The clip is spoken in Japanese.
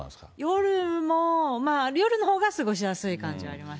夜も、夜のほうが過ごしやすい感じはありました。